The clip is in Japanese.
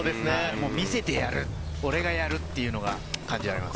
見せてやる、俺がやるっていうのが感じられます。